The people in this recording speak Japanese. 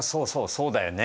そうだよね！